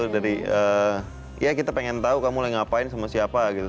dari ya kita pengen tahu kamu mulai ngapain sama siapa gitu